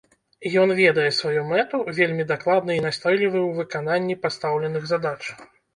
Ён ведае сваю мэту, вельмі дакладны і настойлівы ў выкананні пастаўленых задач.